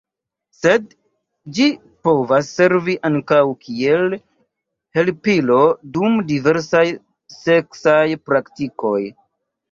Sed ĝi povas servi ankaŭ kiel helpilo dum diversaj seksaj praktikoj.